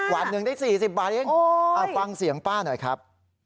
วันหนึ่งได้๔๐บาทเองฟังเสียงป้าหน่อยครับ